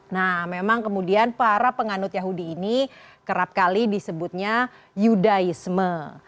nah memang kemudian para penganut yahudi ini kerap kali disebutnya yudaisme